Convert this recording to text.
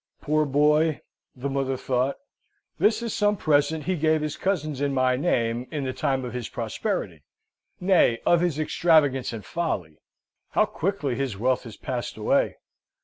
"Poor boy!" the mother thought "This is some present he gave his cousins in my name, in the time of his prosperity nay, of his extravagance and folly. How quickly his wealth has passed away!